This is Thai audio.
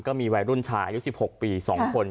ก็มีวัยรุ่นชายอายุ๑๖ปี๒คน